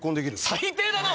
最低だな！